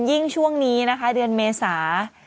ยิ่งช่วงนี้นะคะเดือนเมษา